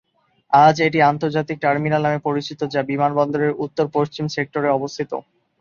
আজ এটি আন্তর্জাতিক টার্মিনাল নামে পরিচিত, যা বিমানবন্দরের উত্তর-পশ্চিম সেক্টরে অবস্থিত।